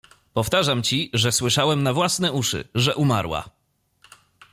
Powtarzam ci, że słyszałem na własne uszy, że umarła!